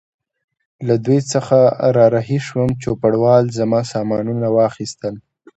له دوی څخه را رهي شوم، چوپړوال زما سامانونه واخیستل.